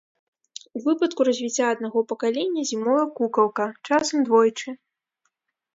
У выпадку развіцця аднаго пакалення зімуе кукалка, часам двойчы.